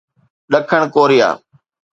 ڏکڻ ڪوريا